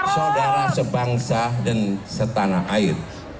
saudara sebangsa dan setanah air